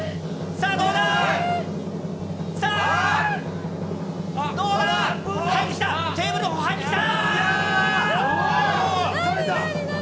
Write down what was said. さあ、どうだ？来た！